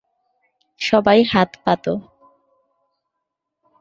সবাই হাত পাতো।